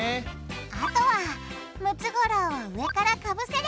あとはムツゴロウを上からかぶせれば完成！